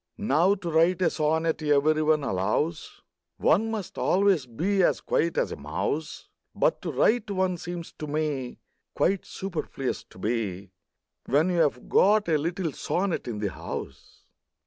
Now, to write a sonnet, every one allows, One must always be as quiet as a mouse; But to write one seems to me Quite superfluous to be, When you 've got a little sonnet in the house.